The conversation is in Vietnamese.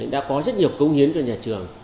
đã có rất nhiều công hiến cho nhà trường